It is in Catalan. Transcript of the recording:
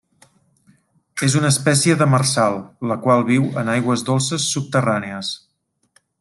És una espècie demersal, la qual viu en aigües dolces subterrànies.